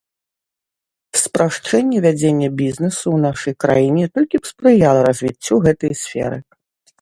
Спрашчэнне вядзення бізнэсу ў нашай краіне толькі б спрыяла развіццю гэтай сферы.